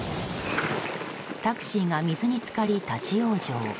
タクシーが水に浸かり立ち往生。